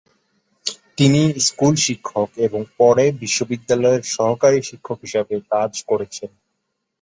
তিনি স্কুল শিক্ষক এবং পরে বিশ্ববিদ্যালয়ের সহকারী শিক্ষক হিসাবে কাজ করেছেন।